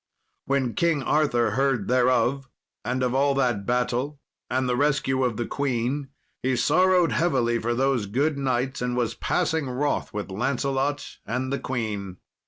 When King Arthur heard thereof, and of all that battle, and the rescue of the queen, he sorrowed heavily for those good knights, and was passing wroth with Lancelot and the queen.